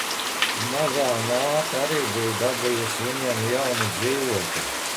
Mazā māte arī bija dabūjusi viņiem jaunu dzīvokli.